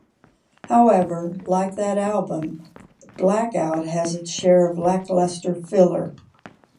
However, like that album, "Blaque Out" has its share of lackluster filler.